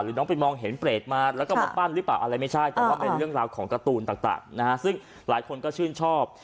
น้องไปมองเห็นเปรตมาแล้วก็มาปั้นหรือเปล่าอะไรไม่ใช่แต่ว่าเป็นเรื่องราวของการ์ตูนต่างนะฮะซึ่งหลายคนก็ชื่นชอบ